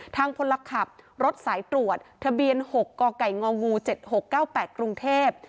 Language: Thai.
พลขับรถสายตรวจทะเบียน๖กกง๗๖๙๘กรุงเทพ